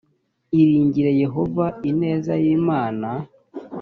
iringire yehova ineza y imana